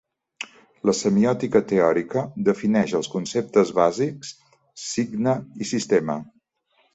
La semiòtica teòrica defineix els conceptes bàsics: signe i sistema.